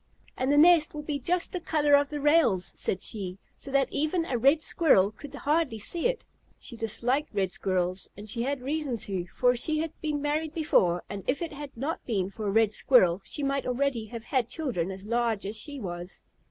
"And the nest will be just the color of the rails," said she, "so that even a Red Squirrel could hardly see it." She disliked Red Squirrels, and she had reason to, for she had been married before, and if it had not been for a Red Squirrel, she might already have had children as large as she was.